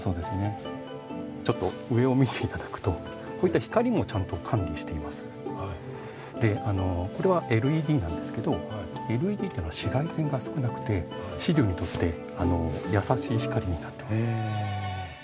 ちょっと上を見て頂くとこういったこれはＬＥＤなんですけどＬＥＤっていうのは紫外線が少なくて資料にとって優しい光になってます。